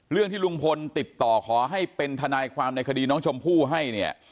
ที่ลุงพลติดต่อขอให้เป็นทนายความในคดีน้องชมพู่ให้เนี่ย